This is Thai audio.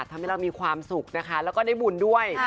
ทำให้เรามีความสุขนะคะแล้วก็ได้บุญด้วย